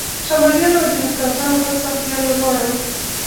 شمالیانو او دیموکراتانو هم سخت زیان ور واړاوه.